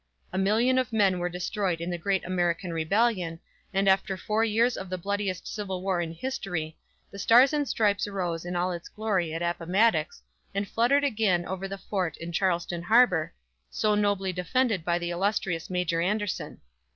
A million of men were destroyed in the great American Rebellion, and after four years of the bloodiest civil war in history, the Stars and Stripes arose in all its glory at Appomattox, and fluttered again over the fort in Charleston Harbor, so nobly defended by the illustrious Major Anderson.